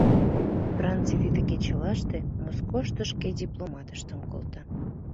Франций тиде кечылаште Москошко шке дипломатшым колта.